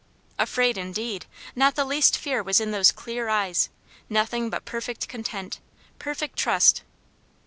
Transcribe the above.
Afraid, indeed! Not the least fear was in those clear eyes. Nothing but perfect content perfect trust.